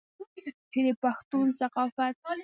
چې د پښتون ثقافت